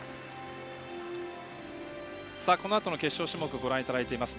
このあとの決勝種目ご覧いただいています